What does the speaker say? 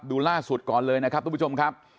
ดูล่าสุดก่อนเลยนะครับทุกผู้ชมครับ